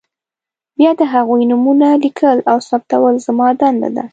بیا د هغوی نومونه لیکل او ثبتول زما دنده ده.